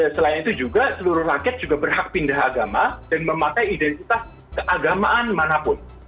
jadi selain itu juga seluruh rakyat juga berhak pindah agama dan memakai identitas keagamaan manapun